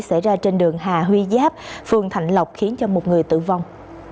xảy ra trên đường hà huy giáp phường thạnh lộc khiến cho một người tử vong